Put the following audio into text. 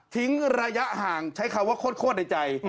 ระยะห่างใช้คำว่าโคตรในใจ